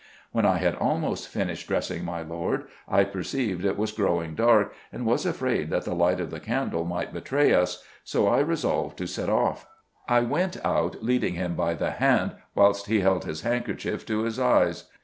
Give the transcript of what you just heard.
When I had almost finished dressing my lord, I perceived it was growing dark, and was afraid that the light of the candle might betray us, so I resolved to set off. I went out leading him by the hand, whilst he held his handkerchief to his eyes.